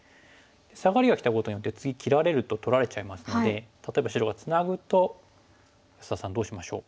サガリがきたことによって次切られると取られちゃいますので例えば白がツナぐと安田さんどうしましょう？